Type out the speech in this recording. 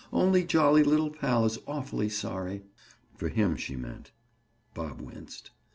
Only jolly little pal is awfully sorry." For him, she meant. Bob winced.